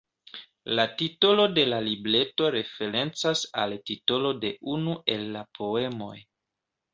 La titolo de la libreto referencas al titolo de unu el la poemoj.